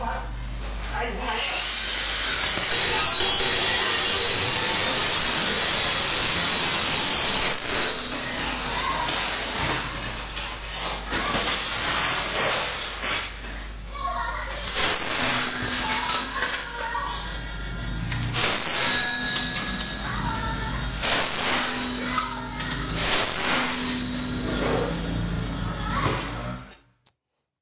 กลับไปไม่เหมือนเดิมครับ